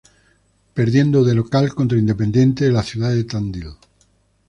Perdiendo de local contra Independiente, de la ciudad de Tandil.